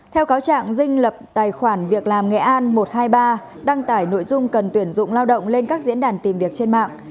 theo cáo trạng dinh lập tài khoản việc làm nghệ an một trăm hai mươi ba đăng tải nội dung cần tuyển dụng lao động lên các diễn đàn tìm việc trên mạng